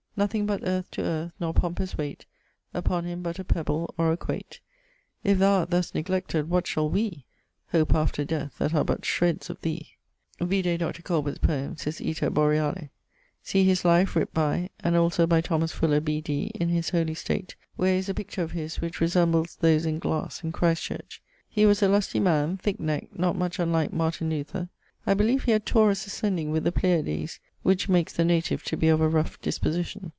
Nothing but earth to earth, nor pompous weight Upon him but a pebble or a quayte. If thou art thus neglected, what shall wee Hope after death that are but shreds of thee?' Vide Dr. Corbet's Poems: his Iter Boreale. See his life writt by ... and also by Thomas Fuller, B.D., in his Holy State, where is a picture of his which resembles those in glasse in Christ church. He was a lusty man, thick neck, not much unlike Martyn Luther. I beleeve he had Taurus ascending with the Pleiades, which makes the native to be of a rough disposition.